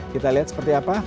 kita lihat seperti apa